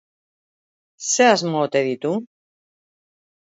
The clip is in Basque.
Zer asmo ote ditu?